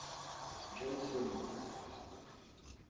j'aime ce livre.